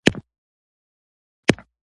د علمي برنامو کلنۍ ارزوني راپور